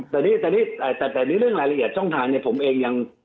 แต่นี่แต่ในเรื่องรายละเอียดช่องทางเนี่ยผมเองยัง